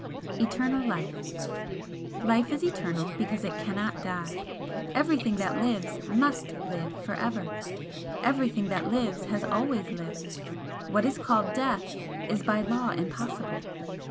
ETERNAL LIFE "Life is eternal because it cannot die. Everything that lives MUST live for ever. Everything that lives has ALWAYS lived. What is called death, is by law impossible.